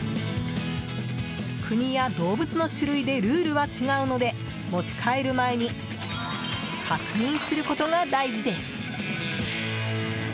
国や動物の種類でルールは違うので持ち帰る前に確認することが大事です。